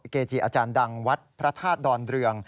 เกจิอาจารย์ดังวัดพระธาตุดอนเรือง